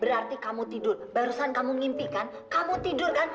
berarti kamu tidur barusan kamu ngimpikan kamu tidur kan